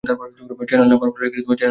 Channel number বলো।